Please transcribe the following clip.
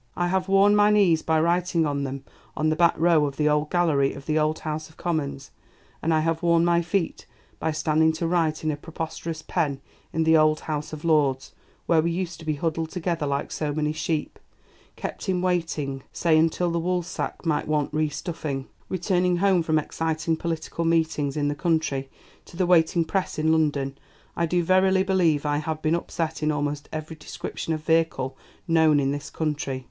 ... I have worn my knees by writing on them on the old back row of the old gallery of the old House of Commons; and I have worn my feet by standing to write in a preposterous pen in the old House of Lords, where we used to be huddled together like so many sheep kept in waiting, say, until the woolsack might want re stuffing. Returning home from exciting political meetings in the country to the waiting press in London, I do verily believe I have been upset in almost every description of vehicle known in this country.